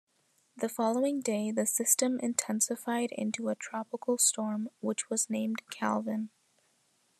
The following day, the system intensified into a tropical storm, which was named Calvin.